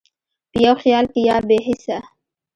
په یو خیال کې یا بې هېڅه،